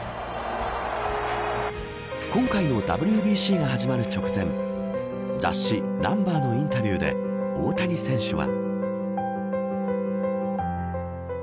今回のＷＢＣが始まる直前雑誌Ｎｕｍｂｅｒのインタビューで大谷選手は。